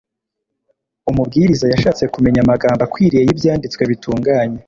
umubwiriza yashatse kumenya amagambo akwiriye y'ibyanditswe bitunganye